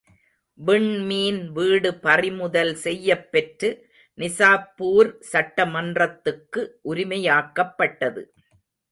விண்மீன் வீடு பறிமுதல் செய்யப்பெற்று நிசாப்பூர் சட்டமன்றத்துக்கு உரிமையாக்கப்பட்டது.